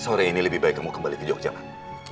sore ini lebih baik kamu kembali ke jogja pak